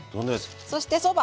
そしてそば。